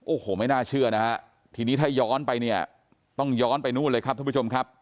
โอ้โหไม่น่าเชื่อนะฮะทีนี้ถ้าย้อนไปเนี่ยต้องย้อนไปนู่นเลยครับท่านผู้ชมครับ